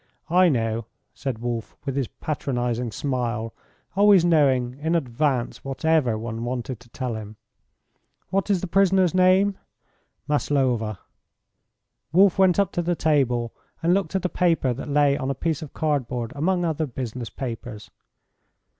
I know," said Wolf, with his patronising smile, always knowing in advance whatever one wanted to tell him. "What is the prisoner's name?" "Maslova." Wolf went up to the table and looked at a paper that lay on a piece of cardboard among other business papers.